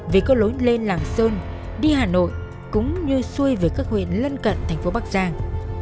vì có lối lên làng sơn đi hà nội cũng như xuôi về các huyện lân cận thành phố bắc giang